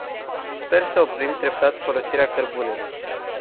Sper să oprim treptat folosirea cărbunelui.